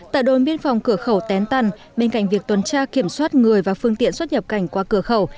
tại đồn biên phòng cửa khẩu tén tăn bên cạnh việc tuần tra kiểm soát người và phương tiện xuất nhập cảnh qua cửa khẩu